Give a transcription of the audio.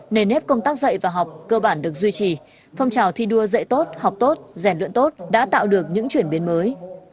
nền nếp công tác dạy và học cơ bản được duy trì phong trào thi đua dạy tốt học tốt rèn luyện tốt đã tạo được những chuyển biến mới